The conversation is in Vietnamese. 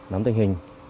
nắm tình hình